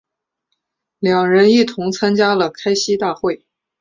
两人一同参加了开西大会。